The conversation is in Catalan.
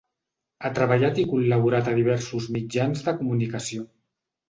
Ha treballat i col·laborat a diversos mitjans de comunicació.